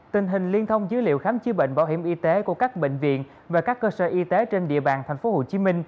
tình hình liên thông dữ liệu khám chữa bệnh bảo hiểm y tế của các bệnh viện và các cơ sở y tế trên địa bàn tp hcm